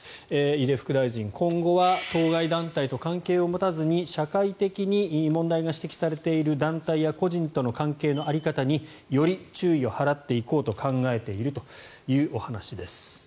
井出副大臣、今後は当該団体と関係を持たずに社会的に問題が指摘されている団体や個人との関係の在り方により注意を払っていこうと考えているというお話です。